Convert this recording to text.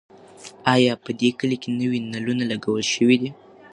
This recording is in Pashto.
ایا په دې کلي کې نوي نلونه لګول شوي دي؟